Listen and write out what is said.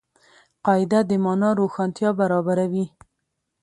قاعده د مانا روښانتیا برابروي.